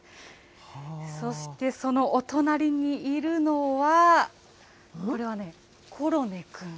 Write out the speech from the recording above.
そしてそのお隣にいるのは、これはね、コロネくん。